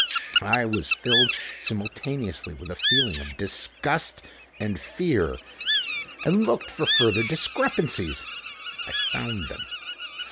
I was filled simultaneously with a feeling of disgust and fear, and looked for further discrepancies. I found them.